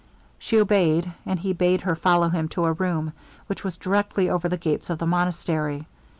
She obeyed, and he bade her follow him to a room which was directly over the gates of the monastery.